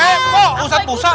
eh kok usat usat